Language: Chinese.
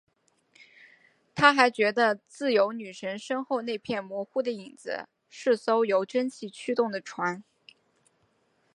他还觉得自由女神身后那片模糊的影子是艘由蒸汽驱动的船。